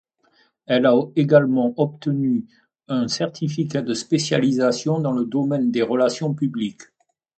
Elle a également obtenu un certificat de spécialisation dans le domaine des relations publiques.